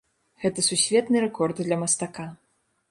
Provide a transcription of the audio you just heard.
Гэта сусветны рэкорд для мастака.